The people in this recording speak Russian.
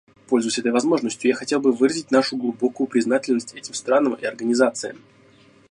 Пользуясь этой возможностью, я хотел бы выразить нашу глубокую признательность этим странам и организациям.